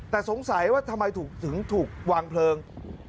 แต่สงสัยว่าทำไมถึงถูกวางเพลิง